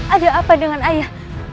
ada apa dengan ayah